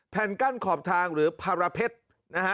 กั้นขอบทางหรือภาระเพชรนะฮะ